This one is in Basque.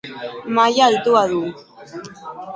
Maila altua du.